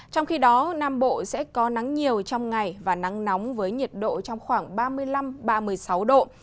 trong khi đó nam bộ sẽ có nắng nhiều trong ngày và nắng nóng với nhiệt độ trong khoảng ba mươi năm ba mươi sáu độ